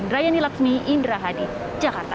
rayani lakshmi indra hadi jakarta